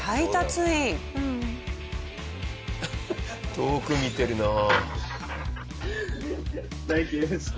遠く見てるなあ。